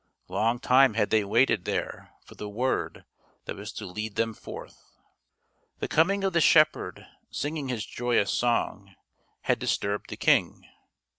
Long time had they waited there for the word that was to lead them forth. The coming of the shepherd, singing his joyous song, had disturbed the king.